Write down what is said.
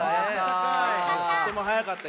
とってもはやかった。